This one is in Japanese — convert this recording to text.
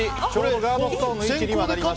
ガードストーンの位置にはなりました。